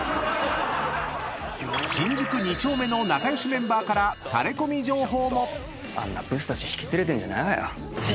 ［新宿二丁目の仲良しメンバーからタレコミ情報も］